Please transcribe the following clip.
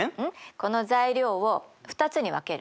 この材料を２つに分けるのね。